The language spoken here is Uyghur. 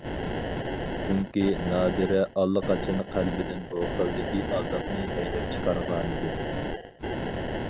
چۈنكى، نادىرە ئاللىقاچان قەلبىدىن بۇ خىلدىكى ئازابنى ھەيدەپ چىقارغانىدى.